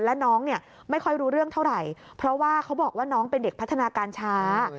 และน้องเนี่ยไม่ค่อยรู้เรื่องเท่าไหร่เพราะว่าเขาบอกว่าน้องเป็นเด็กพัฒนาการช้า